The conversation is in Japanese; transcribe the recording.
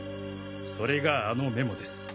それがあのメモです。